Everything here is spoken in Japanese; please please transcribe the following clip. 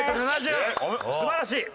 素晴らしい！